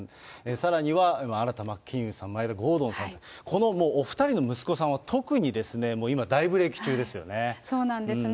さらには、新田真剣佑さん、眞栄田郷敦さんと、このお２人の息子さんは特にですね、今大ブレーク中ですよね。